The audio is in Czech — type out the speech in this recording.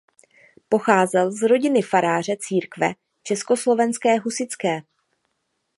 Pocházel z rodiny faráře Církve československé husitské.